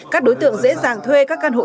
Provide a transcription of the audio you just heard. các đối tượng dễ dàng thuê các căn hộ